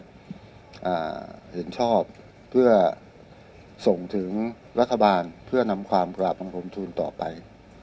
เห็นชอบเพื่อส่งถึงรัฐบาลเพื่อนำความกราบบังคมทูลต่อไป